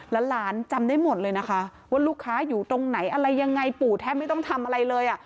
หลานจำได้หมดเลยนะคะว่าลูกค้าอยู่ตรงไหนอะไรยังไงปู่แทบไม่ต้องทำอะไรเลยอ่ะ